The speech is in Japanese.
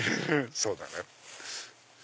そうだね。